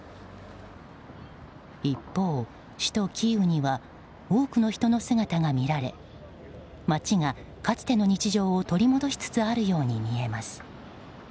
一方、首都キーウには多くの人の姿が見られ街がかつての日常を取り戻しつつあるように見えます。